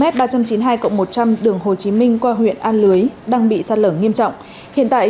km ba trăm chín mươi hai một trăm linh đường hồ chí minh qua huyện a lưới đang bị sạt lở nghiêm trọng hiện tại